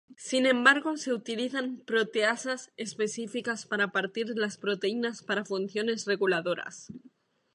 Sin embargo, se utilizan proteasas específicas para partir las proteínas para funciones reguladoras.